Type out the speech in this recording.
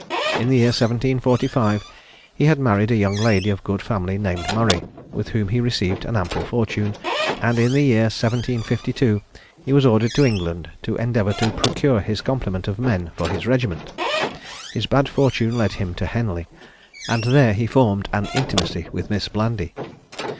In the year 1745, he had married a young lady of good family named Murray, with whom he received an ample fortune; and in the year 1752, he was ordered to England to endeavour to procure his complement of men for his regiment. His bad fortune led him to Henley, and there he formed an intimacy with Miss Blandy.